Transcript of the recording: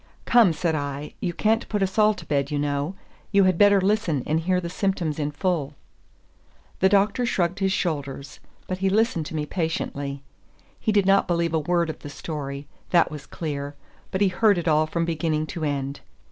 "Come," said I, "you can't put us all to bed, you know. You had better listen and hear the symptoms in full." The Doctor shrugged his shoulders, but he listened to me patiently. He did not believe a word of the story, that was clear; but he heard it all from beginning to end.